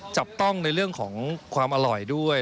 จับต้องในเรื่องของความอร่อยด้วย